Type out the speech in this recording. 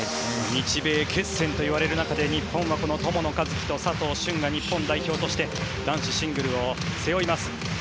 日米決戦といわれる中日本は友野一希と佐藤駿が日本代表として男子シングルを背負います。